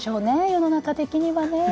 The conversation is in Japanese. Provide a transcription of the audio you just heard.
世の中的にはね。